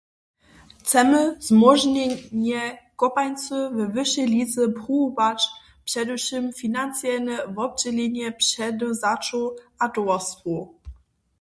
Chcemy zmóžnjenje kopańcy we wyšej lize pruwować, předewšěm financielne wobdźělenje předewzaćow a towarstwow.